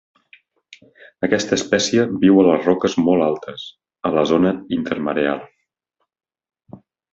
Aquesta espècie viu a les roques molt altes, a la zona intermareal.